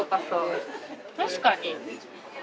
確かに。